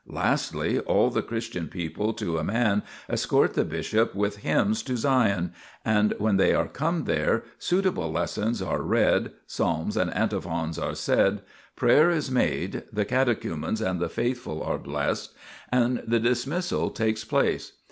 Lastly, all the Christian people to a man escort the bishop with hymns to Sion, and when they are come there, suitable lessons are read, psalms and antiphons are said, prayer is made, the catechumens and the faithful are blessed, and the dismissal takes place.